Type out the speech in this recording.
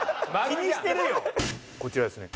こちらですね。